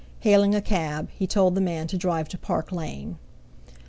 Hailing a cab, he told the man to drive to Park Lane.